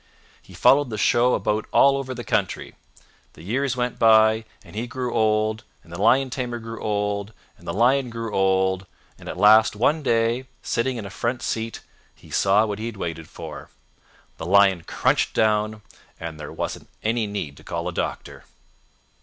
He followed the show about all over the country. The years went by and he grew old, and the lion tamer grew old, and the lion grew old. And at last one day, sitting in a front seat, he saw what he had waited for. The lion crunched down, and there wasn't any need to call a doctor."